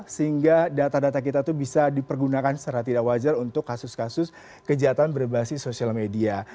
sehingga data data kita itu bisa dipergunakan secara tidak wajar untuk kasus kasus kejahatan berbasis sosial media